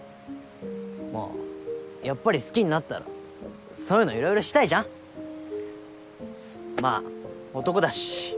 まぁやっぱり好きになったらそういうのいろいろしたいじゃん！まぁ男だし。